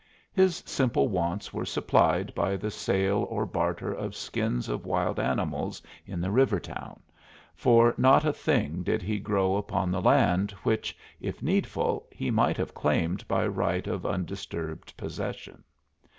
His simple wants were supplied by the sale or barter of skins of wild animals in the river town, for not a thing did he grow upon the land which, if needful, he might have claimed by right of undisturbed possession.